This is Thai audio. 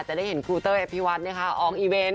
จะได้เห็นครูเตอร์แอฟพิวัตน์เนี่ยค่ะออกอีเวนต์